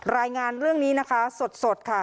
รายงานเรื่องนี้นะคะสดค่ะ